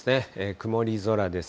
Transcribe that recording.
曇り空です。